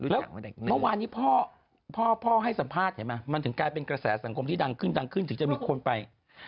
แล้วเมื่อวานนี้พ่อให้สัมภาษณ์มันถึงกลายเป็นกระแสสังคมที่ดังขึ้นถึงจะมีคนไป